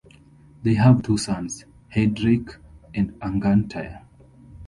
They have two sons, Heidrek and Angantyr.